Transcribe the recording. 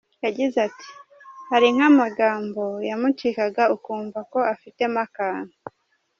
Yagize ati “Hari nk’amagambo yamucikaga ukumva ko afitemo akantu.